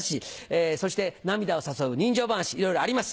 そして涙を誘う人情噺いろいろあります。